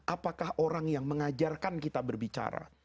apakah orang yang mengajarkan kita berbicara